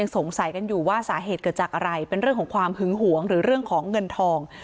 สงสัยกันอยู่ว่าสาเหตุเกิดจากอะไรเป็นเรื่องของความหึงหวงหรือเรื่องของเงินทอง